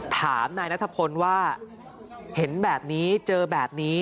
ถามนายนัทพลว่าเห็นแบบนี้เจอแบบนี้